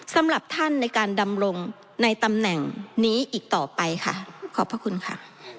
สำหรับท่านในการดำรงในตำแหน่งนี้อีกต่อไปค่ะขอบพระคุณค่ะ